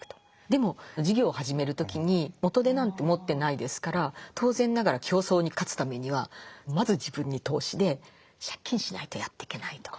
でも事業を始める時に元手なんて持ってないですから当然ながら競争に勝つためにはまず自分に投資で借金しないとやってけないと。